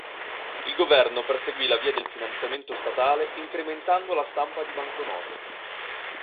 Il governo perseguì la via del finanziamento statale incrementando la stampa di banconote.